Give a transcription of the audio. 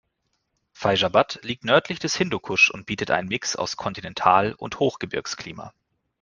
Faizabad liegt nördlich des Hindukusch und bietet einen Mix aus Kontinental- und Hochgebirgsklima.